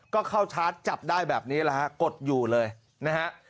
ก็เข้าชาร์จจับได้แบบนี้แหละฮะกดอยู่เลยนะฮะ